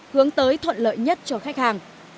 hướng tới thuận lợi nhất cho khách hàng